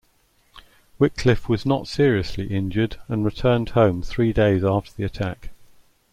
Wickliffe was not seriously injured, and returned home three days after the attack.